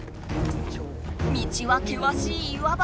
道はけわしい岩場。